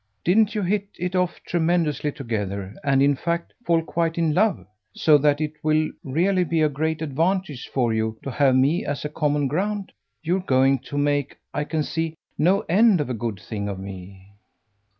Didn't you hit it off tremendously together and in fact fall quite in love, so that it will really be a great advantage for you to have me as a common ground? You're going to make, I can see, no end of a good thing of me."